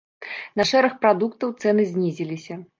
На шэраг прадуктаў цэны знізіліся.